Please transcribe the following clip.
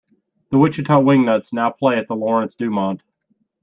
The Wichita Wingnuts now play at Lawrence-Dumont.